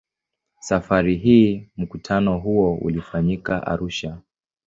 Safari hii mkutano huo ulifanyika Arusha.